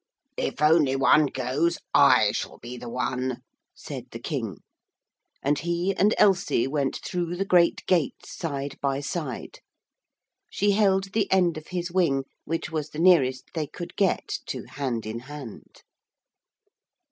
_' 'If only one goes I shall be the one,' said the King. And he and Elsie went through the great gates side by side. She held the end of his wing, which was the nearest they could get to hand in hand.